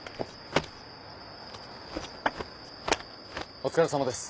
お疲れさまです。